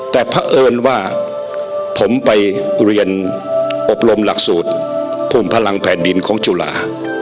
แต่เพราะเอิญว่าผมไปเรียนอบรมหลักสูตรภูมิพลังแผ่นดินของจุฬา